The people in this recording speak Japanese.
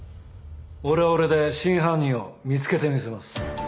俺は俺で真犯人を見つけてみせます。